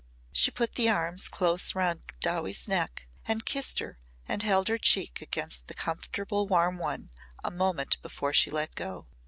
She put the arms close round Dowie's neck and kissed her and held her cheek against the comfortable warm one a moment before she let go.